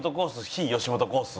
非吉本コース。